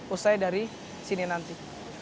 usai dari sini nanti